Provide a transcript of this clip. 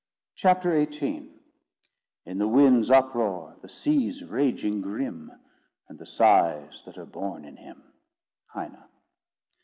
CHAPTER XVIII "In the wind's uproar, the sea's raging grim, And the sighs that are born in him." HEINE.